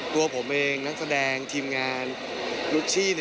ตัวผมเองนักแสดงทีมงานรุชชี่